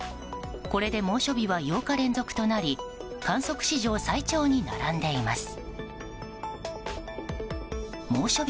これで猛暑日は８日連続となり観測史上最長に並んでいます。